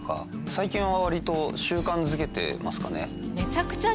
最近はわりと習慣づけてますかね。